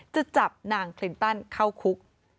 จะจับนางคลินตันเข้าคุก